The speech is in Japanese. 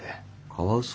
カワウソ？